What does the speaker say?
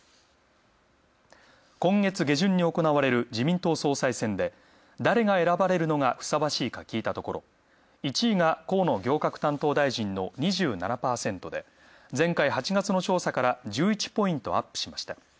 今月下旬に行われる自民党総裁選で誰が選ばれるのがふさわしいか聞いたところ１位が河野行革担当大臣の２７％で、前回８月の調査から１１ポイントアップしました。